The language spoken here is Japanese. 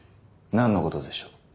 何のことでしょう？